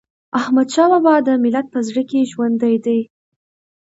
احمدشاه بابا د ملت په زړه کي ژوندی دی.